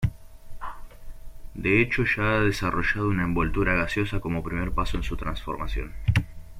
De hecho, ya ha desarrollado una envoltura gaseosa como primer paso en su transformación.